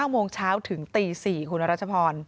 ๙โมงเช้าถึงตี๔คุณรัชพร